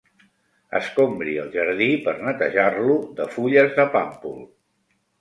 Escombri el jardí per netejar-lo de fulles de pàmpol.